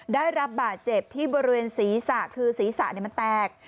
ได้รับบาดเจ็บที่บริเวณศีรษะคือศีรษะมันแตก